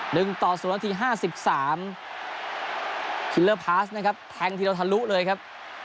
หนึ่งต่อ๐นาที๕๓คริลเลอร์พลาสนะครับแทงที่เราทะลุเลยครับ